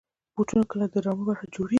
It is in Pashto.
بوټونه کله د ډرامو برخه جوړېږي.